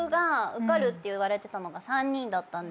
受かるって言われてたのが３人だったんですけど。